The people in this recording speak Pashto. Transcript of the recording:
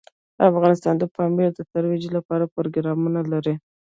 افغانستان د پامیر د ترویج لپاره پروګرامونه لري.